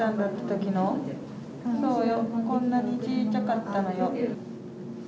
そうよ、こんなにちいちゃかったのよ。